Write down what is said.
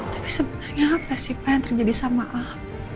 tapi sebenarnya apa sih pak yang terjadi sama allah